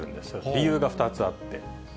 理由が２つあって。